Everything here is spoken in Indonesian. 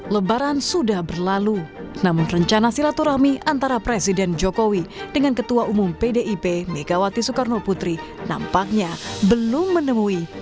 lebaran sudah berlalu namun rencana silaturahmi antara presiden jokowi dengan ketua umum pdip megawati soekarno putri nampaknya belum menemui